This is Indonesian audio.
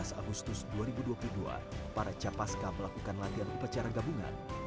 menghitung hari menuju tujuh belas agustus dua ribu dua puluh dua para capasca melakukan latihan pekerjaan gabungan